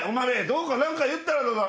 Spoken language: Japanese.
どうか何か言ったらどうだ？